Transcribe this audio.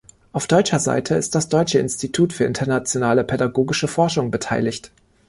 Auf deutscher Seite ist das Deutsche Institut für Internationale Pädagogische Forschung beteiligt.